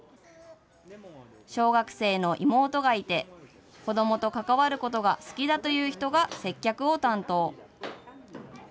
小学生の妹がいて、子どもと関わることが好きだという人が接客を担当。